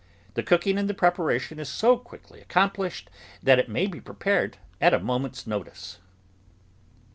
The cooking and preparation is so quickly accomplished that it may be prepared at a moment's notice.